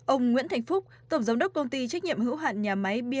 ông nguyễn thành phúc tổng giám đốc công ty trách nhiệm hữu hạn nhà máy bia